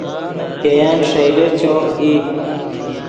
ګئن ݰئیلے چوف ای